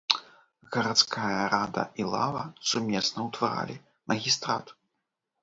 Гарадская рада і лава сумесна ўтваралі магістрат.